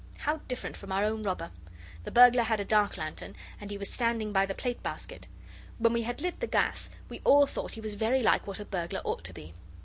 How different from our own robber! The burglar had a dark lantern, and he was standing by the plate basket. When we had lit the gas we all thought he was very like what a burglar ought to be.